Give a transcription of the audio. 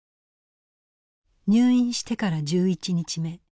入院してから１１日目。